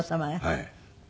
はい。